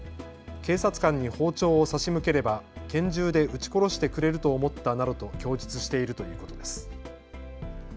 警察官に包丁を差し向ければ拳銃で撃ち殺してくれると思ったなどと供述しているということです。